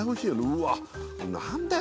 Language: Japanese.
うわっ何だよ